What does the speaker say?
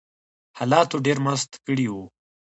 حالاتو ډېر مست کړي وو